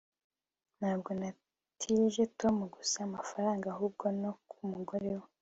ntabwo natije tom gusa amafaranga, ahubwo no ku mugore we